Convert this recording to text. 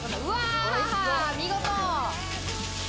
見事。